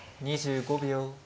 ２５秒。